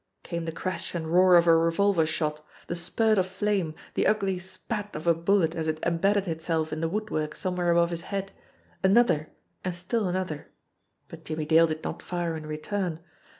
Came the crash and roar of a revolver shot, the spurt of flame, the ugly spat of a bullet as it embedded itself in the woodwork somewhere above his head, another, and still an other but Jimmie Dale did not fire in return.